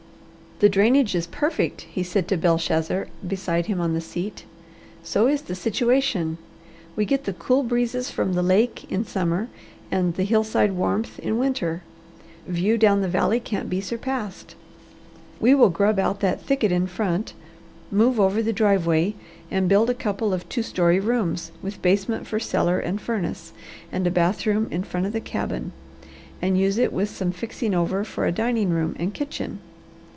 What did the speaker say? "The drainage is perfect," he said to Belshazzar beside him on the seat. "So is the situation. We get the cool breezes from the lake in summer and the hillside warmth in winter. View down the valley can't be surpassed. We will grub out that thicket in front, move over the driveway, and build a couple of two story rooms, with basement for cellar and furnace, and a bathroom in front of the cabin and use it with some fixing over for a dining room and kitchen.